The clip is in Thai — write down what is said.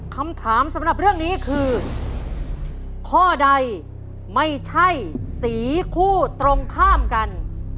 คำถามสำหรับเรื่องนี้คือข้อใดไม่ใช่สีคู่ตรงข้ามกัน